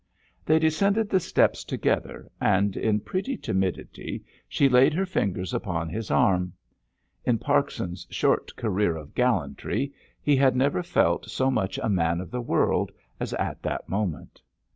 They descended the steps together, and, in pretty timidity, she laid her fingers upon his arm. In Parkson's short career of gallantry he had never felt so much a man of the world as at that moment.